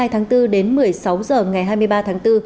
tháng bốn đến một mươi sáu h ngày hai mươi ba tháng bốn